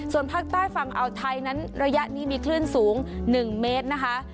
ส่วนภาคใต้ฝั่งอ่าวไทยนั้นระยะนี้มีคลื่นสูง๑เมตรนะคะ